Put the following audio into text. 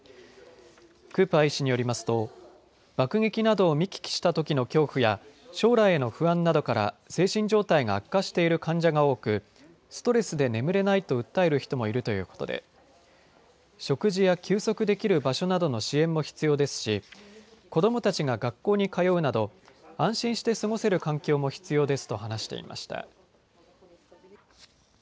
クーパー医師によりますと爆撃などを見聞きしたときの恐怖や将来への不安などから精神状態が悪化している患者が多くストレスで眠れないと訴える人もいるということで食事や休息できる場所などの支援も必要ですし子どもたちが学校に通うなど安心して過ごせる環境も必要ですと話していました。